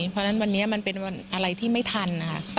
เพราะฉะนั้นวันนี้มันเป็นวันอะไรที่ไม่ทันนะคะ